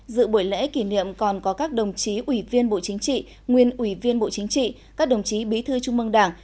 dự buổi lễ kỷ niệm còn có các đồng chí ủy viên bộ chính trị nguyên ủy viên bộ chính trị các đồng chí bí thư trung mương đảng